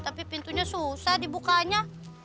tapi pintunya susah dibukanya